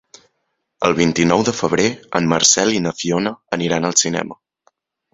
El vint-i-nou de febrer en Marcel i na Fiona aniran al cinema.